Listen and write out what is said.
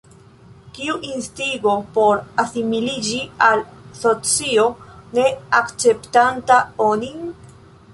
Kiu instigo por asimiliĝi al socio ne akceptanta onin?